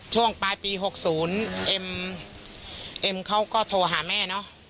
ช่วงปลายปี๖๐เอ็มเอ็มเขาก็โทรหาแม่เนอะ